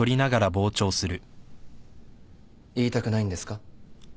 言いたくないんですか？